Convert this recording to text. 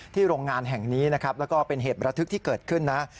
โรงงานแห่งนี้นะครับแล้วก็เป็นเหตุประทึกที่เกิดขึ้นนะ